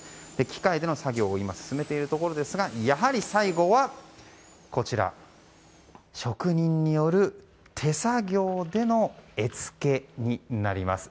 機械での作業を進めているところですがやはり最後は職人による手作業での絵付けになります。